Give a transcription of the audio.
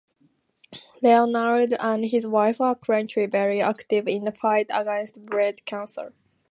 Leonard and his wife are currently very active in the fight against breast cancer.